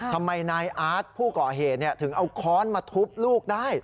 ทำไมนายอาร์ตผู้ก่อเหตุถึงเอาค้อนมาทุบลูกได้